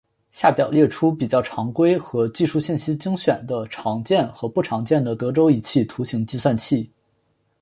下表列出比较常规和技术信息精选的常见和不常见的德州仪器图形计算器。